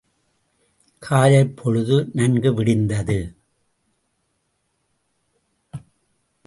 காலைப் பொழுது நன்கு விடிந்தது.